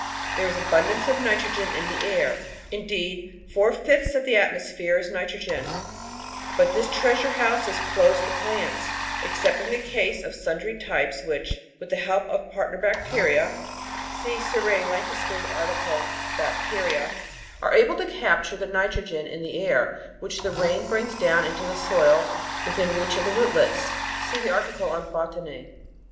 There is abun dance of nitrogen in the air indeed, four fifths of the atmosphere is nitrogen but this treasure house is closed to plants, except in the case of sundry types which, with the help of partner bacteria (see Sir Ray Lankester's article BACTERIA), are able to capture 732 The Outline of Science the nitrogen in the air which the rain brings down into the soil within reach of the rootlets. (See the article on BOTANY.)